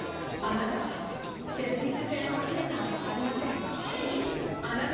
あなたはシェルフィッシュ星のお姫さまではありません。